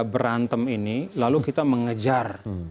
berantem ini lalu kita mengejar